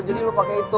jadi lo pake itu